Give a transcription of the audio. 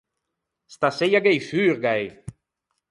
Staseia gh’é i furgai!